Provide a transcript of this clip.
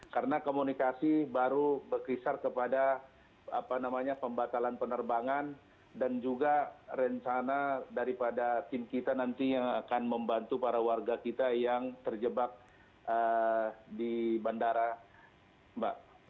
karena komunikasi baru berkisar kepada apa namanya pembatalan penerbangan dan juga rencana daripada tim kita nanti yang akan membantu para warga kita yang terjebak di bandara mbak